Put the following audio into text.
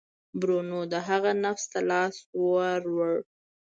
برونو د هغه نبض ته لاس ووړ.